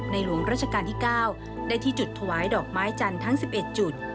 หลวงราชการที่๙ได้ที่จุดถวายดอกไม้จันทร์ทั้ง๑๑จุด